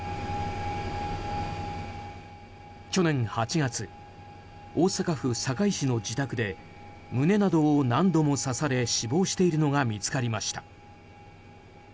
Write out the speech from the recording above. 去年８月、大阪府堺市の自宅で胸などを何度も刺され死亡しているのが見つかりました。